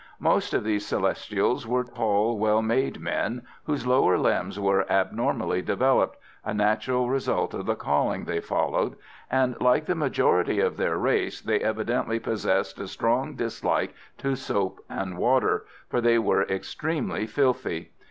Most of these Celestials were tall, well made men, whose lower limbs were abnormally developed a natural result of the calling they followed and, like the majority of their race, they evidently possessed a strong dislike to soap and water, for they were extremely filthy.